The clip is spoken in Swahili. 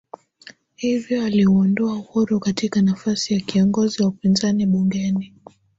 hivyo aliuondoa Uhuru katika nafasi ya kiongozi wa upinzani bungeni